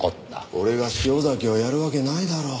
俺が潮崎をやるわけないだろう。